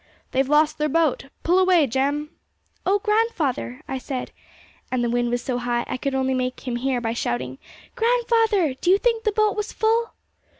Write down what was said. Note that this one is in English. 'They've lost their boat. Pull away, Jem!' 'Oh, grandfather!' I said, and the wind was so high, I could only make him hear by shouting, 'grandfather, do you think the boat was full?'